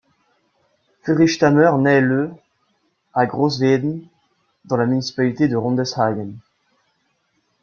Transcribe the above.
Friedrich Sthamer naît le à Groß Weeden, dans la municipalité de Rondeshagen.